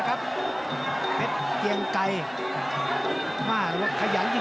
มันต้องอย่างงี้มันต้องอย่างงี้